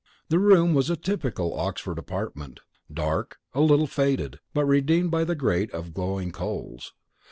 The room was a typical Oxford apartment: dark, a little faded, but redeemed by the grate of glowing coals.